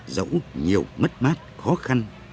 dẫu nhiều mất mát khó khăn